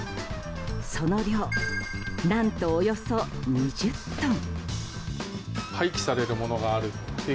その量、何とおよそ２０トン。